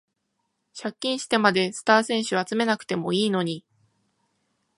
借金してまでスター選手集めなくてもいいのに